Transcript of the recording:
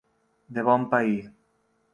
De bon pair.